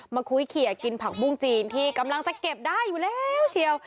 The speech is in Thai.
มาคุยเขียกินผักบุ้งจีนที่กำลังจะเก็บได้อยู่แล้วเชียว